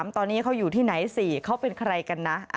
ตอนนี้เขาอยู่ที่ไหน๔เขาเป็นใครกันนะ